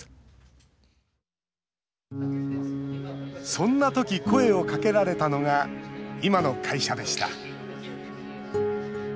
そんな時、声をかけられたのが今の会社でした。